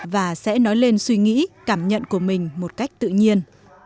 và sẽ nói lên suy nghĩ cảm nhận của mình một cách tự nhiên